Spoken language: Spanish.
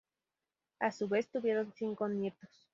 A su vez, tuvieron cinco nietos.